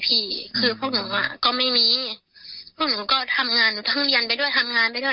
พี่คือพวกหนูอ่ะก็ไม่มีพวกหนูก็ทำงานหนูทั้งเรียนไปด้วยทำงานไปด้วย